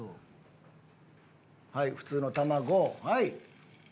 はい普通の卵はい！